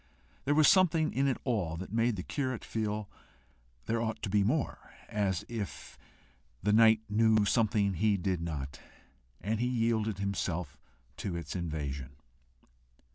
There was something in it all that made the curate feel there ought to be more as if the night knew something he did not; and he yielded himself to its invasion.